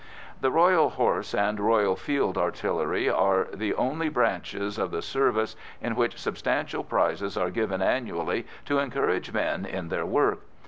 The Royal Horse and Royal Field Artillery are the only branches of the service in which substantial prizes are given annually to encourage men in their work.